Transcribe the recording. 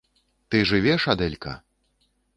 - Ты жывеш, Адэлька?..